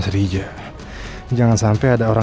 seri hijau jangan sampai ada orang